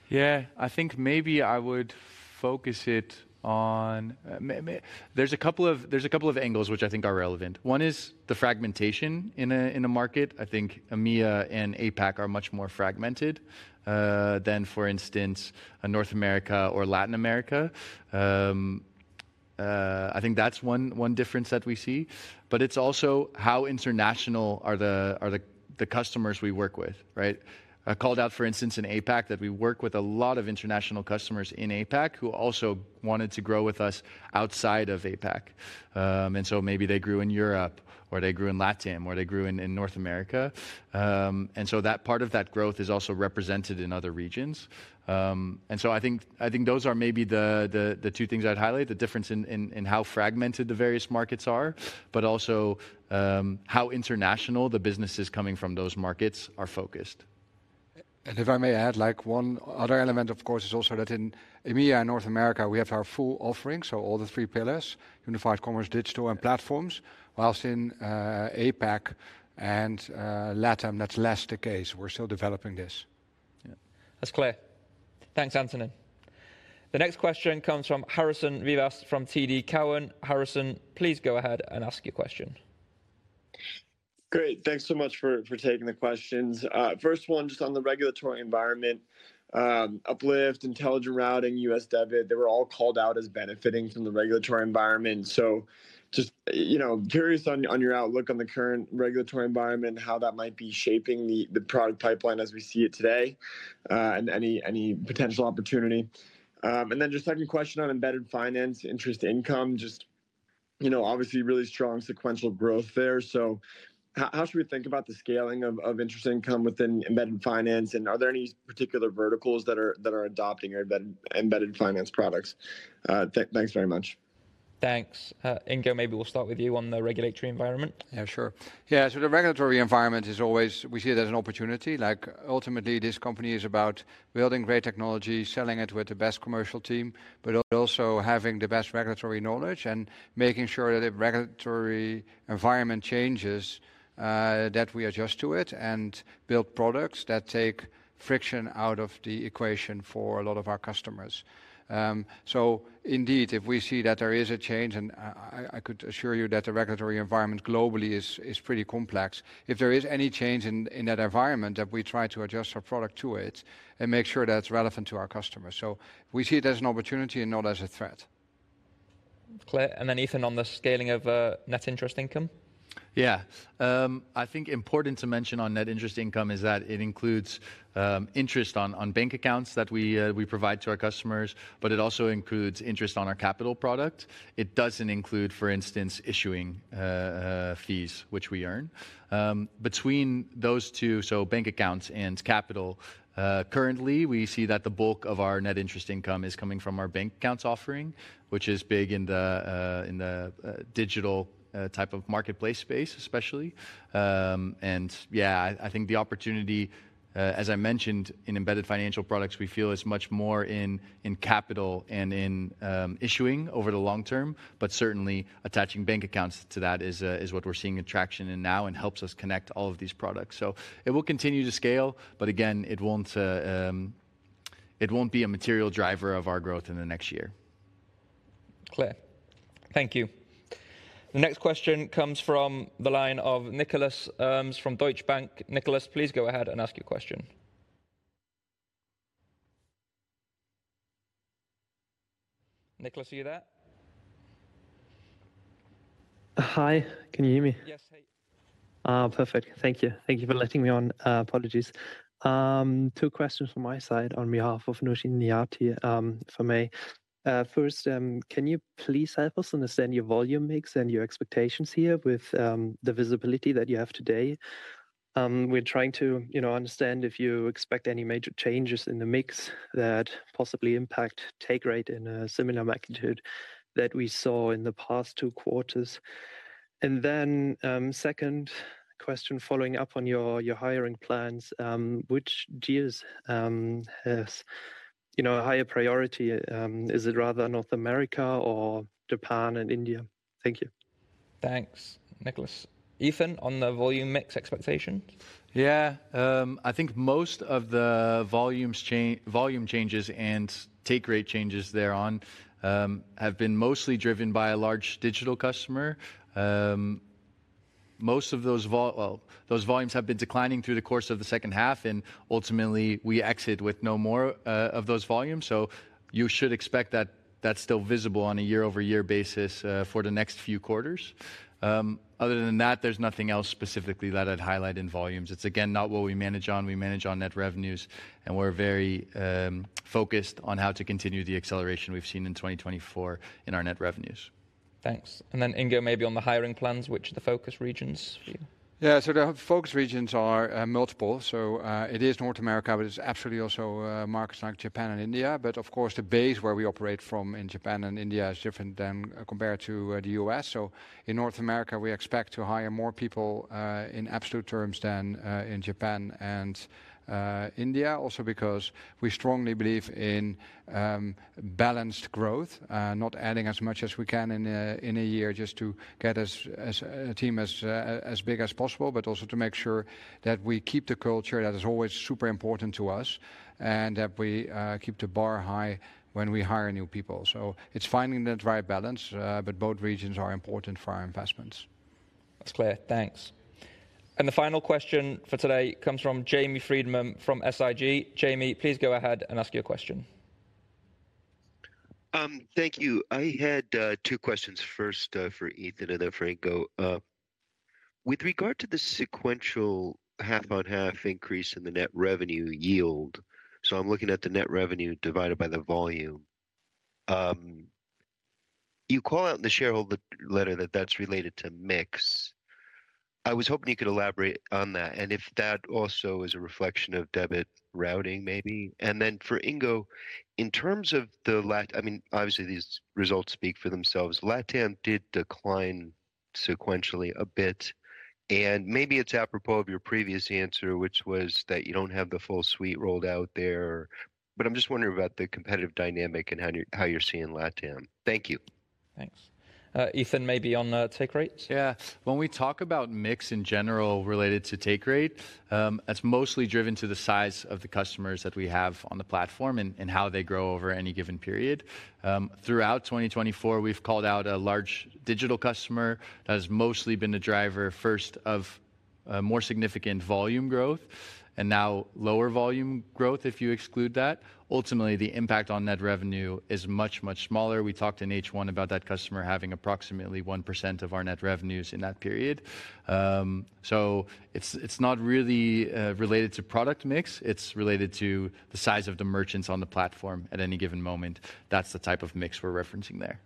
Yeah. I think maybe I would focus it on. There's a couple of angles which I think are relevant. One is the fragmentation in a market. I think EMEA and APAC are much more fragmented than, for instance, North America or Latin America. I think that's one difference that we see. But it's also how international are the customers we work with, right? I called out, for instance, in APAC that we work with a lot of international customers in APAC who also wanted to grow with us outside of APAC. And so maybe they grew in Europe or they grew in LATAM or they grew in North America. And so that part of that growth is also represented in other regions. And so I think those are maybe the two things I'd highlight, the difference in how fragmented the various markets are, but also how international the businesses coming from those markets are focused. If I may add, one other element, of course, is also that in EMEA and North America, we have our full offering, so all the three pillars, Unified Commerce, Digital, and Platforms, whilst in APAC and LATAM, that's less the case. We're still developing this. That's clear. Thanks, Antonin. The next question comes from Harrison Vivas from TD Cowen. Harrison, please go ahead and ask your question. Great. Thanks so much for taking the questions. First one, just on the regulatory environment, Uplift, Intelligent Routing, U.S. debit, they were all called out as benefiting from the regulatory environment. So just curious on your outlook on the current regulatory environment, how that might be shaping the product pipeline as we see it today and any potential opportunity. And then just second question on embedded finance, interest income, just obviously really strong sequential growth there. So how should we think about the scaling of interest income within embedded finance? And are there any particular verticals that are adopting embedded finance products? Thanks very much. Thanks. Ingo, maybe we'll start with you on the regulatory environment. Yeah, sure. Yeah. So the regulatory environment is always, we see it as an opportunity. Ultimately, this company is about building great technology, selling it with the best commercial team, but also having the best regulatory knowledge and making sure that if regulatory environment changes, that we adjust to it and build products that take friction out of the equation for a lot of our customers. So indeed, if we see that there is a change, and I could assure you that the regulatory environment globally is pretty complex, if there is any change in that environment, that we try to adjust our product to it and make sure that's relevant to our customers. So we see it as an opportunity and not as a threat. Clear. And then Ethan on the scaling of net interest income. Yeah. I think important to mention on net interest income is that it includes interest on bank accounts that we provide to our customers, but it also includes interest on our Capital product. It doesn't include, for instance, Issuing fees, which we earn. Between those two, so bank accounts and Capital, currently, we see that the bulk of our net interest income is coming from our bank accounts offering, which is big in the Digital type of marketplace space, especially. And yeah, I think the opportunity, as I mentioned, in embedded financial products, we feel is much more in Capital and in Issuing over the long term. But certainly, attaching bank accounts to that is what we're seeing in traction now and helps us connect all of these products. So it will continue to scale. But again, it won't be a material driver of our growth in the next year. Clear. Thank you. The next question comes from the line of Nicolas Herms from Deutsche Bank. Nicolas, please go ahead and ask your question. Nicolas, are you there? Hi. Can you hear me? Yes. Perfect. Thank you. Thank you for letting me on. Apologies. Two questions from my side on behalf of Nooshin Nejati for me. First, can you please help us understand your volume mix and your expectations here with the visibility that you have today? We're trying to understand if you expect any major changes in the mix that possibly impact take rate in a similar magnitude that we saw in the past two quarters. And then second question following up on your hiring plans, which region has a higher priority? Is it rather North America or Japan and India? Thank you. Thanks, Nicolas. Ethan on the volume mix expectations? Yeah. I think most of the volume changes and take rate changes thereon have been mostly driven by a large Digital customer. Most of those volumes have been declining through the course of the second half. And ultimately, we exit with no more of those volumes. So you should expect that that's still visible on a year-over-year basis for the next few quarters. Other than that, there's nothing else specifically that I'd highlight in volumes. It's, again, not what we manage on. We manage on net revenues. And we're very focused on how to continue the acceleration we've seen in 2024 in our net revenues. Thanks. And then Ingo, maybe on the hiring plans, which are the focus regions for you? Yeah. So the focus regions are multiple. So it is North America, but it's absolutely also markets like Japan and India. But of course, the base where we operate from in Japan and India is different than compared to the U.S. So in North America, we expect to hire more people in absolute terms than in Japan and India, also because we strongly believe in balanced growth, not adding as much as we can in a year just to get a team as big as possible, but also to make sure that we keep the culture that is always super important to us and that we keep the bar high when we hire new people. So it's finding that right balance. But both regions are important for our investments. That's clear. Thanks. And the final question for today comes from Jamie Friedman from SIG. Jamie, please go ahead and ask your question. Thank you. I had two questions. First for Ethan and then for Ingo. With regard to the sequential half-on-half increase in the net revenue yield, so I'm looking at the net revenue divided by the volume. You call out in the shareholder letter that that's related to mix. I was hoping you could elaborate on that and if that also is a reflection of debit routing, maybe. And then for Ingo, in terms of the LATAM, I mean, obviously, these results speak for themselves. LATAM did decline sequentially a bit. And maybe it's apropos of your previous answer, which was that you don't have the full suite rolled out there. But I'm just wondering about the competitive dynamic and how you're seeing LATAM. Thank you. Thanks. Ethan, maybe on take rates? Yeah. When we talk about mix in general related to take rate, that's mostly driven to the size of the customers that we have on the platform and how they grow over any given period. Throughout 2024, we've called out a large Digital customer that has mostly been the driver first of more significant volume growth and now lower volume growth if you exclude that. Ultimately, the impact on net revenue is much, much smaller. We talked in H1 about that customer having approximately 1% of our net revenues in that period. So it's not really related to product mix. It's related to the size of the merchants on the platform at any given moment. That's the type of mix we're referencing there.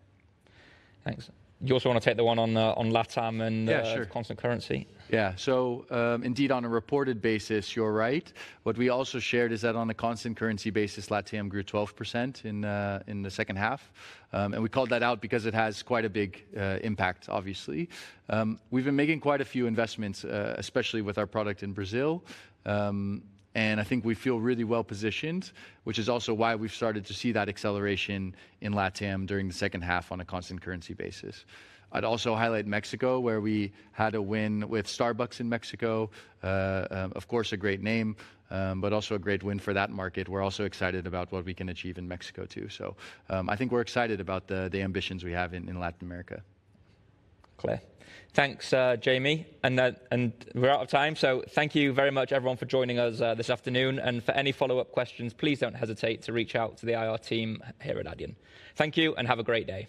Thanks. You also want to take the one on LATAM and the constant currency? Yeah. So indeed, on a reported basis, you're right. What we also shared is that on a constant currency basis, LATAM grew 12% in the second half. We called that out because it has quite a big impact, obviously. We've been making quite a few investments, especially with our product in Brazil. I think we feel really well positioned, which is also why we've started to see that acceleration in LATAM during the second half on a constant currency basis. I'd also highlight Mexico, where we had a win with Starbucks in Mexico. Of course, a great name, but also a great win for that market. We're also excited about what we can achieve in Mexico too. I think we're excited about the ambitions we have in Latin America. Clear. Thanks, Jamie. And we're out of time. So thank you very much, everyone, for joining us this afternoon. And for any follow-up questions, please don't hesitate to reach out to the IR team here at Adyen. Thank you and have a great day.